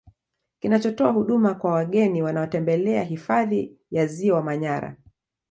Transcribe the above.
Kinachotoa huduma kwa wageni wanaotembelea hifadhi ya Ziwa Manyara